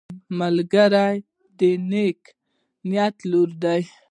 ملګری د نیک نیت لور دی